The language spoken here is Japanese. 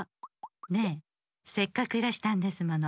ねえせっかくゆっくりいらしたんですもの。